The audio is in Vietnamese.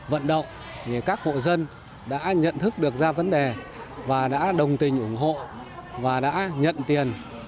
vận động các hộ dân đã nhận thức được ra vấn đề và đã đồng tình ủng hộ và đã nhận tiền